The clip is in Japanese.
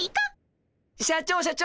社長社長。